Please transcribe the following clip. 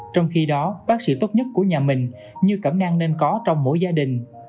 trong khi đó bác sĩ tốt nhất của nhà mình như cảm năng nên có trong mỗi gia đình